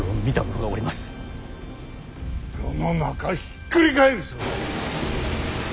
世の中ひっくり返るぞ。